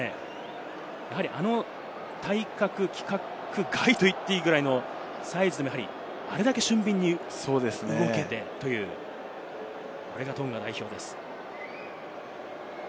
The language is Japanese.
やはりあの体格、規格外と言っていいぐらいのサイズでもあれだけ俊敏に動けて、あれがトンガ代表です。